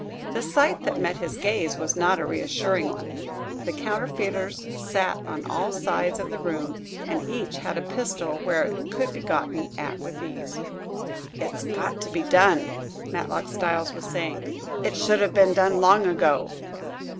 The sight that met his gaze was not a reassuring one. The counterfeiters sat on all sides of the room, and each had a pistol where it could be gotten at with ease. "It's got to be done!" Matlock Styles was saying. "It should have been done long ago."